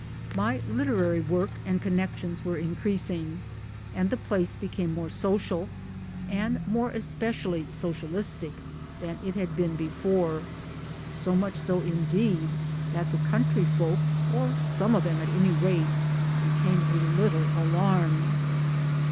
My literary work and connections were increasing, and the place became more social, and more especially socialistic, than it had been before so much so indeed that the country folk (or some of them at any rate) became a little alarmed